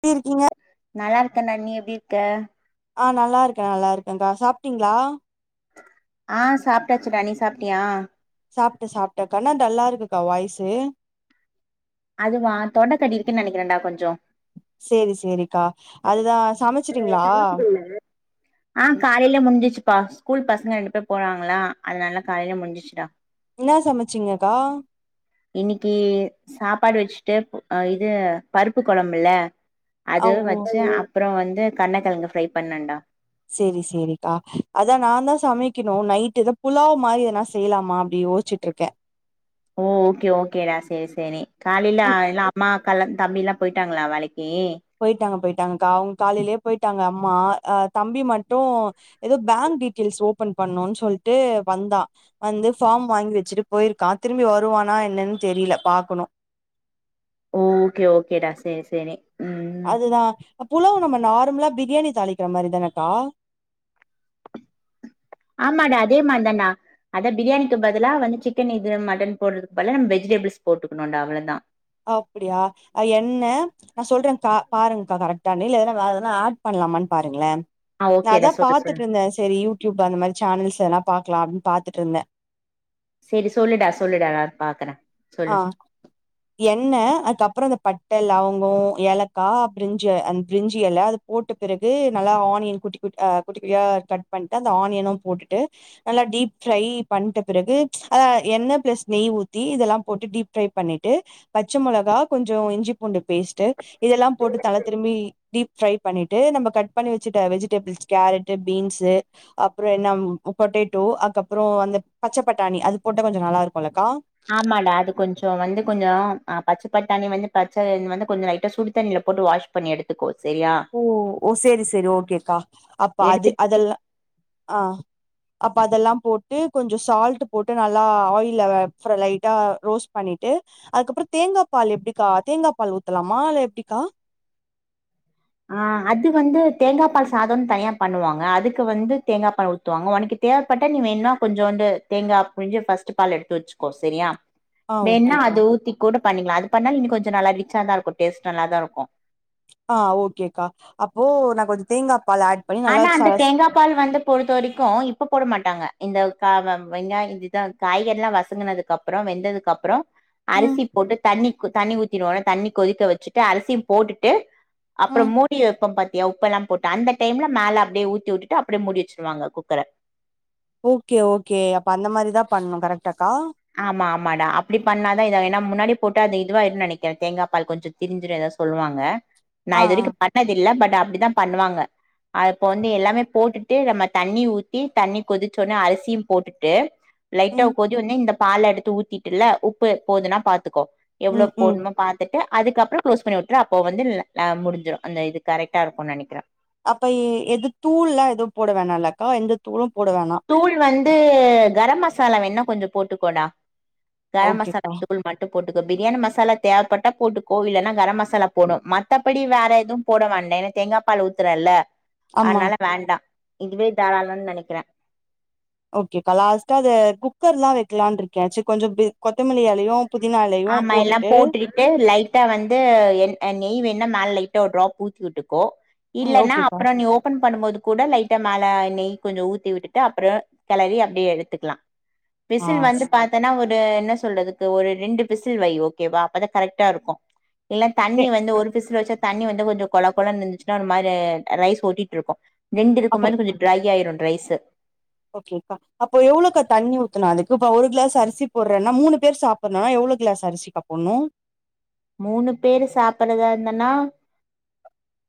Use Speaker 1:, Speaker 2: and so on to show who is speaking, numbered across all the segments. Speaker 1: எப்டி இருக்கீங்க
Speaker 2: நல்லா இருக்கேன்டா நீ எப்டி இருக்க
Speaker 1: ஆ நல்லா இருக்கே நல்லா இருக்கேகா சாப்டீங்ளா
Speaker 2: ஆ சாப்டாச்சுடா நீ சாப்டியா
Speaker 1: சாப்ட சாப்ட என்னா டல்லா இருக்குக்கா வாய்ஸு
Speaker 2: அதுவா தொண்ட கட்டிருக்கு நெனைக்கிறே டா கொஞ்சோ
Speaker 1: செரி செரிக்கா அதுதா சமச்சுட்டீங்களா
Speaker 2: ஆ காலையிலே முடுஞ்சிச்சுப்பா ஸ்கூல் பசங்க ரெண்டு பேர் போறாங்களா அதுனால காலையில முடிஞ்சு ச்சு
Speaker 1: இன்ன சமச்சிங்கக்கா
Speaker 2: இன்னிக்கி சாப்பாடு வச்சுட்டு இது பருப்பு கொழம்புல
Speaker 1: ஆ
Speaker 2: அது
Speaker 1: ஓ
Speaker 2: வச்சு அப் ப்றோ வந்து கர்ணக்கெழங்கு ஃப்ரை பண்ணடா
Speaker 1: செரி செரிக்கா அதா நா தா சமைக்கணு நைட்டுக்கு புலாவ் மாரி ஏதான செய்யலாமா அப்டி யோசி ச்சிட்டுருக்க
Speaker 2: ஓ ஓகே ஓகேடா செரி செரி காலில எல்லா அம்மா கால்ல தம்பில்லா போயிட்டாங்களா வேலைக்கி
Speaker 1: போயிட்டாங்க போயிட்டாங்கக்கா அவுங்க காலையிலயே போயிட்டாங்க அம்மா ஆ தம்பி மட்டு ஏதோ பேங்க் டீட்டெயில்ஸ் ஓபன் பண்ணுனு சொல்ட்டு வந்தா வந்து ஃபார்ம் வாங்கி வச்சுட்டு போயிருக்கா திரும்பி வருவானா என்னனு தெரியல பாக்கணு
Speaker 2: ஓ ஓகே ஓகேடா செரி செரி
Speaker 1: அது தா புலாவு நம்ம நார்மலா பிரியாணி தாளிக்கிற மாரி தானக்கா
Speaker 2: ஆமாடா அதே மாரிதான்டா அதா பிரியாணிக்கு பதிலா வந்து சிக்கன் இது மட்டன் போடுறதுக்கு பதிலா நம்ம வெஜிடேபிள்ஸ் போட்டுக்கணும்டா அவ்ளோதா
Speaker 1: அப்படியா எண்ணெ நா சொல்ற கா பாருங்கா கரெக்டானு இல்ல ஏதான வேற எதன ஆட் பண்ணலாமான்னு பாருங்களே
Speaker 2: ஆ
Speaker 1: நா
Speaker 2: ஓகேடா
Speaker 1: அதா
Speaker 2: சொல்லு சொல்லு
Speaker 1: பாத்துட்டுருந்த செரி யூடியூப்ல அந்த மாரி சேனல்ஸ்லா எதுனா பாக்கலா அப்டின்னு பாத்துட்ருந்த
Speaker 2: செரி சொல்லுடா சொல்லுடா நா பாக்குற
Speaker 1: ஆ எண்ணெ அதுக்கப்றோ அந்த பட்ட லவங்கோ ஏலக்கா பிரிஞ்சு அந்த பிரிஞ்சி இல அது போட்ட பிறகு நல்லா ஆனியன் குட்டி குட்டி ஆ குட்டியா கட் பண்ணிட்டு அந்த ஆனியனு போட்டுட்டு நல்லா டீப் ஃரை பண்ணிட்ட பிறகு அத எண்ணெ ப்ளஸ் நெய் ஊத்தி இதெல்லா போட்டு டீப் ஃரை பண்ணிட்டு பச்ச மொளகா கொஞ்ச இஞ்சி பூண்டு பேஸ்ட்டு இதெல்லாம் போட்டு தல திரும்பி டீப் ஃப்ரை பண்ணிட்டு நம்ம கட் பண்ணி வச்சுட்ட வெஜிடேபிள்ஸ் கேரட்டு பீன்ஸு அப்ரோ என்ன பொட்டேட்டோ அக்கப்பறம் அந்த பச்ச பட்டாணி அது போட்ட கொஞ்ச நல்லா இருக்கும்ல்லக்கா
Speaker 2: ஆமாடா அது கொஞ்சோ வந்து கொஞ்ச பச்ச பட்டாணி வந்து பச்ச வந்து கொஞ்சம் லைட்டா சுடு தண்ணில போட்டு வாஷ் பண்ணி எடுத்துக்கோ செரியா
Speaker 1: ஓ ஓ செரி செரி ஓகேக்கா அப்ப அது
Speaker 2: எடுத்துட்டு
Speaker 1: அதெல்லா ஆ அப்ப அதெல்லா போட்டு கொஞ்ச சால்ட் போட்டு நல்லா ஆயில்ல ஆ லைட்டா ரோஸ்ட் பண்ணிட்டு அதுக்கப்றம் தேங்கா பால் எப்படிக்கா தேங்கா பால் ஊத்தலாமா இல்ல எப்டிக்கா
Speaker 2: ஆ அது வந்து தேங்கா பால் சாதம்னு தனியா பண்ணுவாங்க அதுக்கு வந்து தேங்கா பால் உத் துவாங்க உனக்கு தேவப்பட்டா நீ வேணும்ன கொஞ்ஜூண்டு தேங்கா புழிஞ்சு ஃபஸ்ட் பால் எடுத்து வச்சுக்கோ செரியா
Speaker 1: ஆ
Speaker 2: வேன்னா
Speaker 1: ஓகேக்கா
Speaker 2: அது ஊத்தி கூட பண்ணிக்கலா அது பண்ணாலு இன்னும் கொஞ்ச நல்லா ரிச்சா தா இருக்கு டேஸ்ட் நல்லாதாருக்கு
Speaker 1: ஆ ஓகேக்கா அப்போ நா கொஞ்ச தேங்காப்பால் ஆட் பண்ணி நல்லா
Speaker 2: ஆனா அந்த
Speaker 1: சரஸ்
Speaker 2: தேங்கா பால் வந்து பொறுத்த வரைக்கு இப்ப போட மாட்டாங்க இந்த கா வெங்கா இதிதா காய்கரில்லா வசங்கனதுக்கு அப்றம் அப்ரோ வெந்ததுக்கு அப்ரோ
Speaker 1: ம்
Speaker 2: அரிசி போட்டு தண்ணி தண்ணி ஊத்திடுவோனா தண்ணி கொதிக்க வச்சுட்டு அரிசியு போட்டுட்டு அப்ரோ
Speaker 1: ம்
Speaker 2: மூடி வப்போ பாத்தியா உப்ப எல்லா போட்டு அந்த டைம்ல மேல அப்டியே ஊத்தி உட்டு அப்டியே முடி வச்சருவாங்க குக்கர
Speaker 1: ஓகே ஓகே அப்ப அந்த மாரிதா பண்ணணு கரெக்ட்டாக்கா
Speaker 2: ஆமா ஆமா டா அப்டி பண்ணாதா இதா என முன்னாடி போட்ட அது இதுவாருன்னனு நெனக்கற தேங்கா பால் கொஞ்ச திரிஞ்சுடு ஏதோ சொல்லுவாங்க நா
Speaker 1: ஆ
Speaker 2: இது
Speaker 1: ஆ
Speaker 2: வரைக்கு பண்ணதில்ல பட் அப்டித்தா பண்ணுவாங்க அப்ப வந்து எல்லாமே போட்டுட்டு நம்ம தண்ணி ஊத்தி தண்ணி கொதிச்சோன அரிசியு போட்டுட்டு லைட்டா
Speaker 1: ம்
Speaker 2: கோதி வந்து இந்த பால எடுத்து ஊத்திட்டு இல்ல உப்பு போதுனா பாத்துக்கோ எவ்ள
Speaker 1: ம் ம்
Speaker 2: போடணுமோ பா ட்டு அதுக்கப்றம் களோஸ் பண்ணி விட்டு அப்ப வந்து முடிஞ்சிடும் அந்த இது கரெக்டா இருக்கும்னு நனைக்கறே
Speaker 1: அப்ப எது தூள்லாம் எதுவும் போட வேணாம்ல்லக்கா எந்த தூளும் போட வேணாம்
Speaker 2: தூள் வந்து கரம் மசாலா வேணா கொஞ்ச போட்டுக்கோடா கரம் மசாலா
Speaker 1: ஓகேக்கா
Speaker 2: தூள் மட்டு போட்டுக்கோ பிரியாணி மசாலா தேவப்பட்டா போட்டுக்கோ இல்லன்னா கரம் மசாலா போணு மத்தபடி வேற எதுவு போட வேண்டாம் ஏனா தேங்கா பால் ஊத்துறல்ல
Speaker 1: ஆமா
Speaker 2: அதனால வேண்டாம் இதுவே தாராளம்னு நெனைக்கறே
Speaker 1: ஓகே அக்கா லாஸ்ட்டா அது குக்கர்ல்லாம் வக்கலான்னு இருக்கேச்சு கொஞ்ச கொத்தமல்லி எலயும் புதினா எலயும்
Speaker 2: ஆமா எல்லா
Speaker 1: போட்டுட்டு
Speaker 2: போட்டுக்கிட்டு லைட்டா வந்து எ நெய் வேனா மேல லைட்டா ஒரு ட்ராப் ஊத்தி விட்டுக்கோ
Speaker 1: ம்
Speaker 2: இல்லன்னா
Speaker 1: ஓகேக்கா
Speaker 2: அப்பறம் நீ ஓபன் பண்ணும் போது கூட லைட்டா மேல நெய் கொஞ்ச ஊத்தி விட்டுட்டு அப்பறம் களரி அப்டியே எடுத்துக்கலாம்
Speaker 1: ஆ
Speaker 2: விசில் வந்து பாத்தன்னா ஒரு என்ன சொல்றதுக்கு ஒரு ரெண்டு விசில் வை ஓகேவா அப்பதா கரெக்டா இருக்கும் இல்ல
Speaker 1: சே
Speaker 2: தண்ணி வந்து ஒரு வச்சா தண்ணி வந்து கொஞ்ச கொழ கொழன்னு இருந்துச்சுன்னா ஒரு மாரி ரைஸ் ஒட்டிட்டு இருக்கும் ரெண்டு இருக்கும்
Speaker 1: அப்புற
Speaker 2: மாரி கொஞ்ச ட்ரை ஆயிடும் ரைஸு
Speaker 1: ஓகேப்பா அப்போ எவ்வளவுா தண்ணி ஊத்தனும் அதுக்கு இப்ப ஒரு களாஸ் அரிசி போடுறன்னா மூணு பேர் சாப்பணு எவ்ள கிளாஸ் அரிசிக்கா போட்ணு
Speaker 2: மூணு பேரு சாப்பறதா இருந்தனா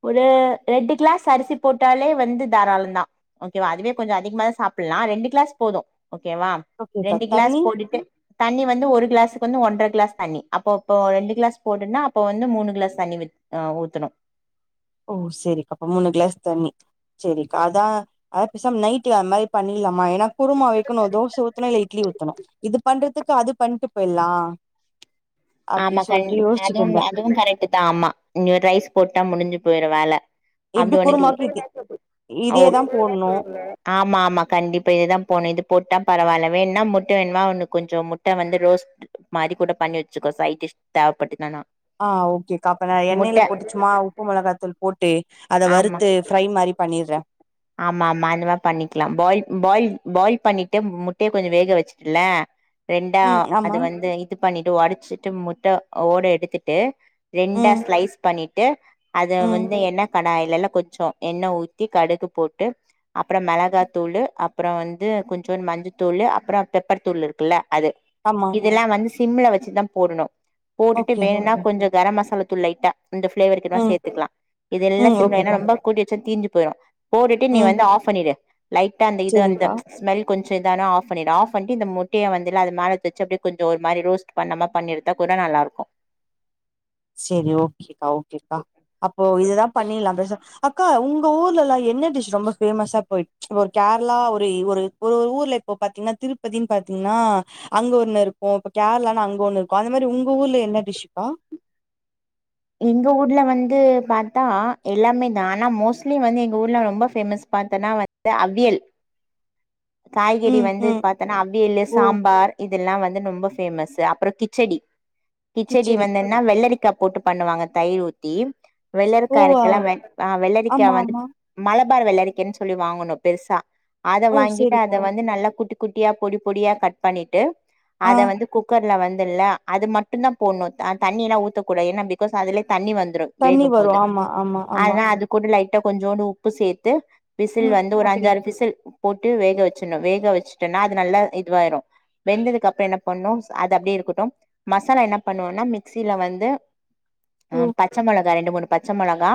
Speaker 2: ஒரு ரெண்டு கிளாஸ் அரிசி போட்டாலே வந்து தாராளம தான் ஓகேவா அதுவே கொஞ்ச அதிகமா தா சாப்பலாம் ரெண்டு கிளாஸ் போதும் ஓகேவா
Speaker 1: ஓகேக்கா
Speaker 2: ரெண்டு கிளாஸ்
Speaker 1: தண்ணி
Speaker 2: போட்டுட்டு தண்ணி வந்து ஒரு கிளாஸுக்கு வந்து ஒன்றரை கிளாஸ் தண்ணி அப்ப இப்ப ரெண்டு கிளாஸ் போடுனா அப்ப வந்து மூணு கிளாஸ் தண்ணி ஆ ஊத்தணும்
Speaker 1: ஓ செரிக்கா அப்பா மூணு க்ளாஸ் தண்ணி செரிக்கா அதா அத பெசாம நைட்ல அந் மாரி பண்ணில்லாமா ஏனா குமா வெக்கணு தோச ஊத்தணு இல்ல இட்லி ஊத்தணு இது பண்றதுக் அது பண்ட்டு போய்ல்லா
Speaker 2: ஆமா கண்டிப் அதுவும்
Speaker 1: இருந்தே
Speaker 2: அதுவும் கரெக் ட்டு தா ஆமா இந்ய ரைஸ் போட்டா முடிஞ்சு போய்ரு வேல
Speaker 1: எப்டி
Speaker 2: அப்டி உனக்கு
Speaker 1: குருமாக்கு இத்
Speaker 2: ஓ
Speaker 1: இதேதா போட்ணு
Speaker 2: ஆமா ஆமா கண்டிப்பா இதுதா போணு இது போட்டா பரவால்ல வேண்ணா முட்ட வேணுமா உன்னுக் கொஞ்சொ முட்ட வந்து ரோஸ்ட் மாரி கூட பண்ணி வெச்சுக்கோ சைடிஷ் தேவப்பட்டுதானா
Speaker 1: ஆ ஓகேக்கா அப்ப நா எண்ணெய்ல போட்டு சும்மா உப்பு மொளகாத்தூள் போ ட்டு அத
Speaker 2: ஆமா
Speaker 1: வறுத்து ஃப்ரை மாரி பண்ணிற்றே
Speaker 2: ஆமா ஆமா அந்த மாரி பண்ணிக்லாம் பாயில் பாயில் பாயில் பண்ணிட்டு முட்டய கொஞ்ச வேக வெச்சுட்டுல ரெண்டா
Speaker 1: ம்
Speaker 2: அது
Speaker 1: ஆமா
Speaker 2: வந்து இது பண்ணிட்டு ஒடச்சிட்டு முட்ட ஓட எடுத்துட்டு ரெண்டா
Speaker 1: ம்
Speaker 2: ஸ்லைஸ் பண்ணிட்டு அத
Speaker 1: ம்
Speaker 2: வந்து எண்ணெ கடாய்லெல்லா கொஞ்சோ எண்ணெ ஊத்தி கடுகு போட்டு அப்புறம் மெளகாத்தூளு அப்புற வந்து கொஞ்சுன் மஞ்சத்தூளு அப்புறோ பெப்பரு தூள் இருக்குல்ல அது
Speaker 1: ஆமா
Speaker 2: இதெல்லா வந்து சிம்மில வெச்சுதா போடணு போட்டுட்டு
Speaker 1: ஓகே
Speaker 2: வேணுனா
Speaker 1: ஓகே
Speaker 2: கொஞ்சோ கர மசாலாத்தூள் லைட்டா அந்ல ஃப்ளேவருக்குதா
Speaker 1: ம்
Speaker 2: சேத்துக்லா இதெல்லா
Speaker 1: ம்
Speaker 2: சிம்ல ஏனா
Speaker 1: ஓகேக்கா
Speaker 2: ரொம்ப கூட்டிச்சா தீஞ்சு போய்டு போட்டுட்டு நீ
Speaker 1: ம்
Speaker 2: வந்து ஆஃப் பண்ணிடு லைட்டா அந்த இது அந்த
Speaker 1: செரிங்க்கா
Speaker 2: ஸ்மெல் கொஞ்சோ இதான ஆஃப் பண்ணிடு ஆஃப் பண்டு இந்த முட்டய வந்துல அது மேல எத்தச்சு அப்டே கொஞ்சோ ஒரு மாி ரோஸ்ட் பண்ணமா பண்ணி எடுத்தா கூட நல்லாருக்கு
Speaker 1: செரி ஓகேக்கா ஓகேக்கா அப்போ இதுதா பண்ணில்லா பெசா அக்கா உங்க ஊர்லெல்லா என்ன டிஷ் ரொம்ப ஃபேமஸா போய் இப்ப ஒரு கேரளா ஒரு ஒரு ஒரு ஒரு ஊர்ல இப்போ பாத்தீங்ன்னா திருப்பதின் பாத்தீங்ன்னா அங்க ஒண்ணு இருக்கு இப்ப கேரளானா அங்க ஒண்ணு இருக்கு அந்த மாரி உங்க ஊர்ல என்ன டிஷ்ஷுக்கா
Speaker 2: எங்க ஊர்ல வந்து பாத்தா எல்லாமே தா ஆனா மோஸ்ட்லி வந்து எங்க ஊர்ல ரொம்ப ஃபேமஸ் பாத்தனா வ அவியல் காய்கெறி
Speaker 1: ம்
Speaker 2: வந்து
Speaker 1: ம்
Speaker 2: பாத்தனா அவியலு
Speaker 1: ஓ
Speaker 2: சாம்பார் இ இதெல்லா வந்து ரொம்ப ஃபேமஸு அப்பற கிச்சடி கிச்சடி வந்துன்னா வெள்ளரிக்கா போட்டு பண்ணுவாங்க தயிர் ஊத்தி
Speaker 1: ஓ
Speaker 2: வெள்ளரிக்கா இருக்குல ஆ வெள்ளரிக்கா
Speaker 1: ஆமா
Speaker 2: வந்
Speaker 1: ஆமா
Speaker 2: மலபார் வெள்ளரிக்கன் சொல்லி வாங்கணு பெருசா அத
Speaker 1: ஓ
Speaker 2: வாங்கிட்டு அத
Speaker 1: சேரிக்கா
Speaker 2: வந்து நல்லா குட்டி குட்டியா பொடி பொடியா கட் பண்ணிட்டு
Speaker 1: ஆ
Speaker 2: அத வந்து குக்கர்ல வந்துல்ல அது மட்டுந்தா போட்ணு த தண்ணில்லா ஊத்தக்கூடது ஏனா பிகாஸ் அதுல்யே தண்ணி வந்துரு
Speaker 1: தண்ணி வரு
Speaker 2: வேகம்போது
Speaker 1: ஆமா ஆமா ஆமா
Speaker 2: ஆனா அதுக் கூட லைட்டா கொஞ்சோண்டு உப்பு சேத்து விசில்
Speaker 1: ம்
Speaker 2: வந்து ஒரு
Speaker 1: அப்படி
Speaker 2: அஞ்சாறு விசில் போட்டு வேக வெச்சிண்ணு வேக வெச்ட்டனா அது நல்லா இதுவாயிரு வெந்ததுக்கு அப்பற என்ன பண்ணு அது அப்டியே இருக்கட்டும் மசாலா என்ன பண்ணுவேன்னா மிக்சில வந்து ஆ
Speaker 1: ஓ
Speaker 2: பச்ச மொளகா ரெண்டு மூணு பச்ச மொளகா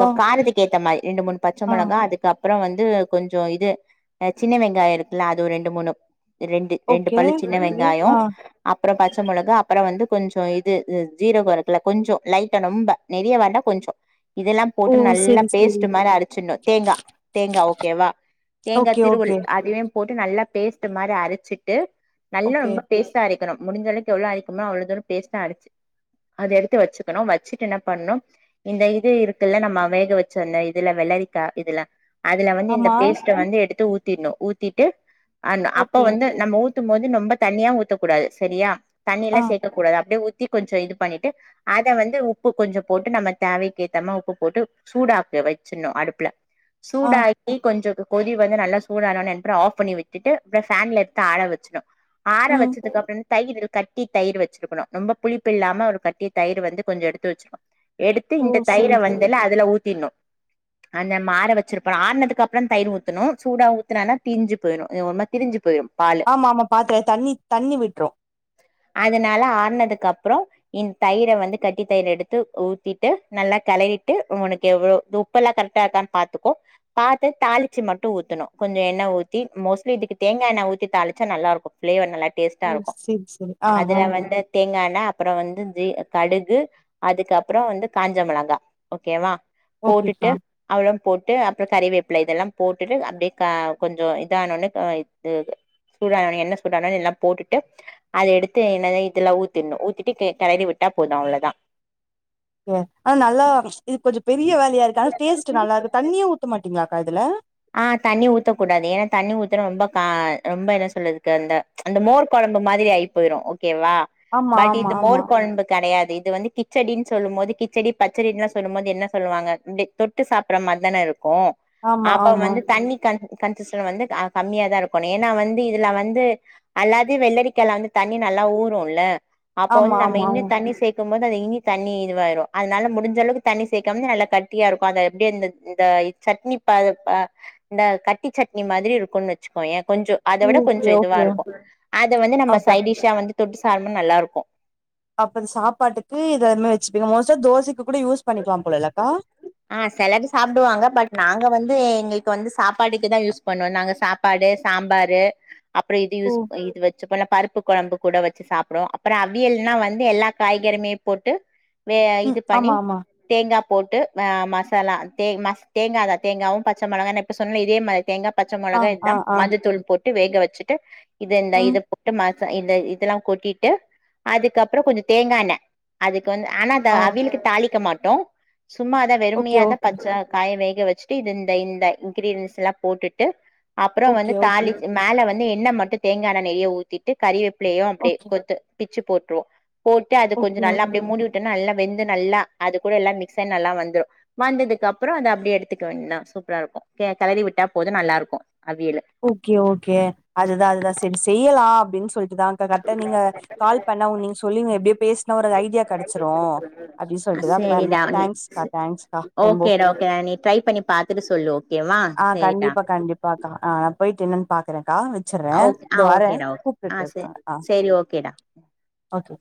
Speaker 1: ஆ
Speaker 2: காரத்துக்கேத்த மாரி ரெண்டு மூணு பச்ச
Speaker 1: ஆ
Speaker 2: மொளகா அதுக்கப் பறோ வந்து கொஞ்சோ இது அ சின்ன வெங்காய இருக்குல்ல அது ரெண்டு மூணு ரெண்டு ரெண்டு
Speaker 1: ஓகே
Speaker 2: பல்லு சின்ன
Speaker 1: ஓகே
Speaker 2: வெங்காயோ
Speaker 1: ஆ
Speaker 2: அப்புற பச்ச மொளகா அப்பற வந்து கொஞ்சோ இது ஜீரகோ இரு க்ல கொஞ்சோ லைட்டா ரொம்ப நெறிய வேண்டா கொஞ்சோ இதெல்லாம்
Speaker 1: ஓ
Speaker 2: போட்டு நல்லா
Speaker 1: சேரி சேரி
Speaker 2: பேஸ்ட்டு மாரி அரச்சிண்ணு தேங்கா தேங்கா ஓகேவா தேங்கா
Speaker 1: ஓகே
Speaker 2: திருவல்
Speaker 1: ஓகே
Speaker 2: அதயும் போட்டு நல்லா பேஸ்ட்டு மாரி அரச்சிட்டு நல்லா
Speaker 1: ஓகே
Speaker 2: ரொம்ப பேஸ்ட்டா அரை அரைக்கனும் முடிஞ்சளக் எவ்ளோ அரைக்கமுடிமோ அவ்ளோ தூரொ பேஸ்டா அரச்சு அத எடுத்து வச்சுக்கணும் வச்சிட்டு என்ன பண்னும் இந்த இது இருக்குல்ல நம்ம வேக வச்சோல்ல இதுல வெள்ளரிக்கா இதுல அதுல வந்து இந்த
Speaker 1: ஆமா
Speaker 2: பேஸ்ட்ட வந்து எடுத்து ஊத்திட்ணு ஊத்திட்டு ஆ அப்ப
Speaker 1: ஓகே
Speaker 2: வந்து நம்ப ஊத்தும் போது நொம்ப தண்ணியா ஊத்தக்கூடாது சரியா தண்ணி எல்லா
Speaker 1: ஆ
Speaker 2: சேக்கக் கூடாது அப்டியே ஊத்தி கொஞ்சொ இது பண்ணிட்டு அத வந்து உப்பு கொஞ்சொ போட்டு நம்ம தேவைக்கு ஏத்தமா உப்பு போட்டு சூடாக்க வச்சிர்னு அடுப்புல
Speaker 1: ஆ
Speaker 2: சூடா க்கி கொஞ்ச கொதி வந்து நல்லா சூடானொன்ன அப்புற ஆஃப் பண்ணி விட்டிட்டு அப்புறம் ஃபேன்ல எத்து ஆற வச்சுணு ஆற
Speaker 1: ம்
Speaker 2: வச்சதுக்கு அப்புறொ தயிரு கட்டி தயிரு வச்சிருக்கணு ரொம்ப புளிப்பு இல்லாம கட்டி தயிரு வந்து கொஞ்சொ எடுத்து வச்சுக்கனு எடுத்து
Speaker 1: ஓ
Speaker 2: இந்த தயிர
Speaker 1: சேரி சேரி
Speaker 2: வந்துல அதுல ஊத்திட்னு ஆ நம்ம ஆர வச்சிருப்போல ஆரனதுக்ப்புறம் தயிர் ஊத்தணும் சூடா ஊத்தன்னா தீஞ்சு போயிரு ஒருமாரி திரஞ்சு போயிரு பால்
Speaker 1: ஆமா ஆமா பாத்தே தண்ணி தண்ணி விட்ரு
Speaker 2: அதனால ஆர்னதுக்கு அப்பறொ இந் தயிர வந்து கட்டி தயிர எடுத்து ஊத்திட்டு நல்லா களறிட்டு உனக்கு எவ்ளோ உப்பெல்லா கரெக்டா இருக்கான் பாத்துக்கோ பாத்து தாளிச்சு மட்டு ஊத்தணு கொஞ்ச என்ன ஊத்தி மோஸ்ட்லி இதுக்கு தேங்கா எண்ண ஊத்தி தாளிச்சா நல்லா இருக்கூ ஃபிளேவர் நல்லா டேஸ்ட்டா
Speaker 1: ஓ
Speaker 2: இருக்கூ
Speaker 1: சேரி சேரி ஆ ஆ
Speaker 2: அதுல வந்து தேங்கான்ன அப்பறொ வந் து கடுகு அதுக்கப்புறோ வந்து காஞ்ச மெளகா ஓகே வா போட்டுட்டு
Speaker 1: ஓகேக்கா
Speaker 2: அவ்ளோம் போட்டு அப்புறொ கறிவேப்பில இதெல்லாம் போட்டுட்டு அப்டியே கா கொஞ்சொ இதானொன்ன சூடான ஒன்ன என்ன சூடான ஒன்ன எல்லா போட்டுட்டு அத எடுத்து என்ன இதுல ஊத்திட்ணு ஊத்திட்டு கெளரி விட்டா போது அவ்ளதா
Speaker 1: ஓ ஆ நல்லா இது கொஞ்சொ பெரிய வேலையா இருக்கு ஆனா டேஸ்ட்
Speaker 2: ம்
Speaker 1: நல்லாருக்கு தண்ணியே ஊத்த மாட்டீங்க்ளாக்கா இதுல
Speaker 2: ஆ தண்ணி ஊத்தக் கூடாது ஏன்னா தண்ணி ஊத்துனா ரொம்ப கா ரொம்ப என்ன சொல்றதுக்கு அந்த இந்த மோர் கொழம்பு மாதிரி ஆயி போயிரும் ஓ கே வா
Speaker 1: ஆமா
Speaker 2: பட்
Speaker 1: ஆமா
Speaker 2: இது
Speaker 1: ஆமா
Speaker 2: மோர் கொழம்பு கெடையாது இது வந்து கிச் கிச்சடின் சொல்லும் போது கிச்சடி பச்சடின்லா சொல்லும் போது என்ன சொல்லுவாங்க இப்டி தொட்டு சாப்ற மார் தானே இருக்கூ
Speaker 1: ஆமா
Speaker 2: அப்ப
Speaker 1: ஆமா
Speaker 2: வந்து தண்ணி கன் கன்சிஸன் வந்து கம்மியா தான் இருக்கணு ஏன்னா வந்து இதுல வந்து அல்லாது வெள்ளரிக்கால வந்து தண்ணி நல்லா ஊறுல்ல அப்ப வந்து
Speaker 1: ஆமா
Speaker 2: நம்ம
Speaker 1: ஆமா ஆமா
Speaker 2: இன்னு தண்ணி சேக் இருக்கும்போது அது இனி தண்ணி இதுவாயிரு அதனால முடிஞ்ச அளவுக்கு தண்ணி சேக்காம நல்லா கட்டியா இருக்கு அத அப்டியே இந்த இந்த சட்னி ப பா இந்த கட்டி சட்னி மாதிரி இருக்குன்னு வச்சுக்கோயே கொஞ்சோ அத விட கொஞ்ச
Speaker 1: ஓகே
Speaker 2: இதுவா
Speaker 1: ஓகே
Speaker 2: இருக்கூ அத வந்து நம்ம
Speaker 1: ஓகே
Speaker 2: சைடிஷா வந்து தொட்டு சாப்ட போது நல்லாருக்கூ
Speaker 1: அப்போ இத சாப்பாட்டுக்கு இத அந்மாரி வச்சுப்பீங்க மோஸ்டா தோசைக்கு கூட யூஸ் பண்ணிக்லாம் போல இல்லக்கா
Speaker 2: ஆ செலது சாப்டுவாங்க பட் நாங்க வந்து எங்களுக்கு வந்து சாப்பாடுக்கு தா யூஸ் பண்ணுவோ நாங்கா சாப் சாப்பாடு சாம்பாரு அப்பறோ இது
Speaker 1: ஓ
Speaker 2: யூஸ் இது வச்சுபோ இல்ல பருப்பு கொழம்பு கூட வச்சி சாப்டுவோ அப்றோ அவியல்னா வந்து எல்லா காய்கறிமே போட்டு வே
Speaker 1: ம்
Speaker 2: இது பண்ணி
Speaker 1: ஆமா ஆமா
Speaker 2: தேங்கா போட்டு ஆ மசாலா தே மஸ் தேங்காதா தேங்காவு பச்ச மொளகா நா இப்ப சொன்னே இதே மாரி தேங்கா பச்ச
Speaker 1: ஆ
Speaker 2: மொளகா
Speaker 1: ஆ
Speaker 2: இதா
Speaker 1: ஆ
Speaker 2: மஞ்சத்தூள் போட்டு வேக வச்சிட்டு இதுன்ட
Speaker 1: ம்
Speaker 2: இது போட்டு இந்த இதலா கொட்டிட்டு அதுக்கப்றோ கொஞ்ச தேங்கா எண்ணெ அதுக்கு வந்து ஆனா அத
Speaker 1: ஆ
Speaker 2: அவிலுக்கு தாளிக்க மாட்டோ சும்மாதா
Speaker 1: ஓகே
Speaker 2: வெறுமனயாதா
Speaker 1: ஓகே
Speaker 2: பச்ச காய வேக வச்சிட்டு இது இந்த இந்த இன்கிரீடன்ஸ் எல்லா போட்டுட்டு அப்புறோ
Speaker 1: ஓகே
Speaker 2: வந்து
Speaker 1: ஓகே
Speaker 2: தாளி மேல வந்து எண்ணெ மட்டு தேங்கா எண்ணெ நெறய ஊத்திட்டு கறிவேப்பிலையு அப்டியே
Speaker 1: ஓகே
Speaker 2: கொத்து பிச்சு போட்ருவோ போட்டு அது கொஞ்ச
Speaker 1: ஓகே
Speaker 2: நல்லா
Speaker 1: ஓகே
Speaker 2: அப்டியே மூடிவுட்டேன்னா நல்லா வெந்து நல்லா அது கூட எல்லா மிக்ஸன் நல்லா வந்துரு வந்ததுக்கு அப்றோ அத அப்டியே எடுத்துக்க வேண்தா சூப்ரா இருக்கூ கெ கெளறி விட்டா போது நல்லா இருக்கூ அவியலு
Speaker 1: ஓகே ஓகே அதுதா அதுதா செரி செய்யலா அப்டின் சொல்ட்டுதா இப்ப கரட்டா நீங்க கால் பண்ணா வு நீங்க சொல்லிருங்க எப்டியே பேஸ்னா ஒரு ஐடியா கெடச்சுரு அப்டின் சொல்ட்டுதா பண்ணே
Speaker 2: சேரிடா நீ
Speaker 1: தங்க்ஸ்கா தங்க்ஸ்கா ரொம்போ
Speaker 2: ஓகேடா ஓகேடா நீ ட்ரை பண்ணி பாத்துட்டு சொல்லு ஓகேவா
Speaker 1: ஆ
Speaker 2: சேரிடா
Speaker 1: கண்டிப்பா கண்டிப்பாகா ஆ போய்ட்டு என்னன் பாக்குறேகா வச் வச்சர்றே
Speaker 2: ஓகே ஆ
Speaker 1: இந்தா வாரே
Speaker 2: ஓகேடா ஓகே ஆ
Speaker 1: கூப்ட்டுட்டு
Speaker 2: சே
Speaker 1: இருகாங்க ஆ
Speaker 2: சேரி ஓகேடா
Speaker 1: ஓகே